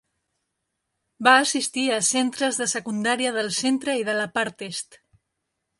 Va assistir a centres de secundària del centre i de la part est.